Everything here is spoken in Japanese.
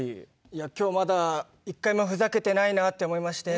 いや今日まだ一回もふざけてないなって思いまして。